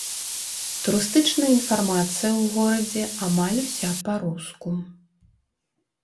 Турыстычная інфармацыя ў горадзе амаль уся па-руску.